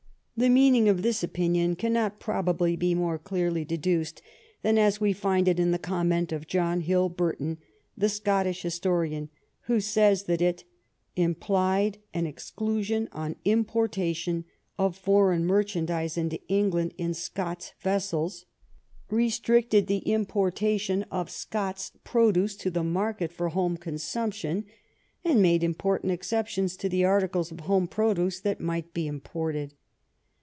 The meaning of this opinion cannot probably be more clearly de duced than as we find it in the comment of John Hill Burton, the Scottish historian, who says that it " im plied an exclusion on importation of foreign merchan dise into England in Scots vessels, restricted the im* 172 THE UNION WITH SCOTLAND poriation of Scots produce to the market for home consumption, and made important exceptions to the articles of home produce that might be imported."